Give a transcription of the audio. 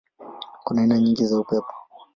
Kuna aina nyingi za upepo.